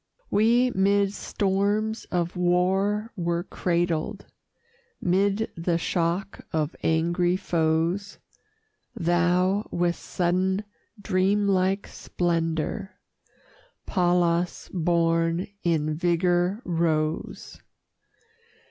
We 'mid storms of war were cradled, 'Mid the shock of angry foes; Thou, with sudden, dreamlike splendor, Pallas born, in vigor rose.